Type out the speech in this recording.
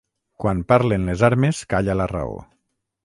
Quan parlen les armes calla la raó.